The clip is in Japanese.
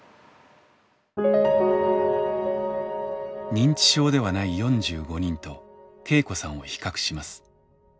認知症ではない４５人と恵子さんを比較します。